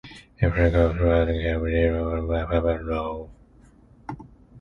Apra comes from the Chamorro word "apapa" 'low.